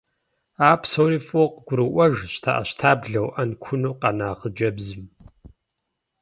А псори фӏыуэ къыгуроӏуэж щтэӏэщтаблэу, ӏэнкуну къэна хъыджэбзым.